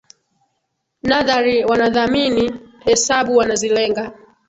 Nadhari wanadhamini, hesabu wanazilenga.